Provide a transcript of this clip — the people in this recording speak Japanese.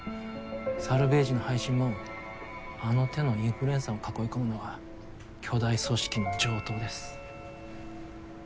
サルベージの配信もあの手のインフルエンサーを囲い込むのは巨大組織の常套です。